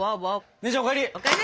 姉ちゃんお帰り！